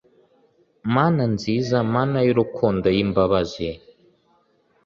Mana nziza mana yurukundo yimbabazi